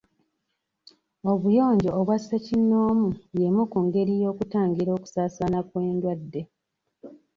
Obuyonjo obwa ssekinomu y'emu ku ngeri ey'okutangira okusaasaana kw'endwadde.